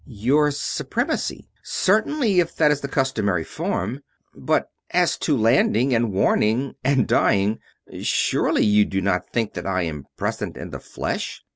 "Your Supremacy? Certainly, if that is the customary form. But as to landing and warning and dying surely you do not think that I am present in the flesh?